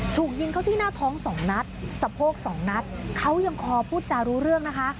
ถูกยิงเข้าที่หน้าท้องสองนัดสะโพกสองนัดเขายังคอพูดจารู้เรื่องนะคะ